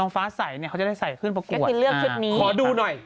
ถ้าใส่เนี่ยเขาจะได้ใส่ขึ้นประกวด